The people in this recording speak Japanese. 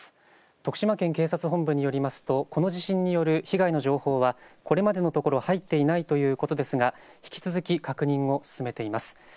徳島県警察本部によりますとこの地震による被害の情報はこれまでのところ入っていないということですが引き続き確認を進めています。